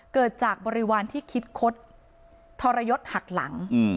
เกิดจากบริวารที่คิดคดทรยศหักหลัง